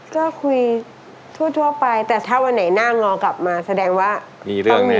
ก็คุยทั่วไปแต่ถ้าวันไหนหน้างอกลับมาแสดงว่ามีเรื่องนี้